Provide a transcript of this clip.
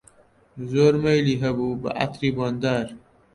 زۆر مەیلی هەبوو بە عەتری بۆندار